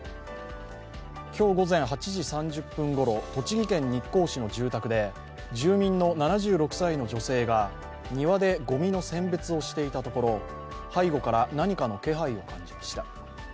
今日午前８時３０分ごろ、栃木県日光市の住宅で、住民の７６歳の女性が庭でごみの選別をしていたところ背後から何かの気配を感じました。